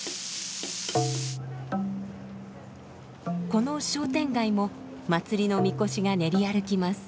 この商店街も祭りの神輿が練り歩きます。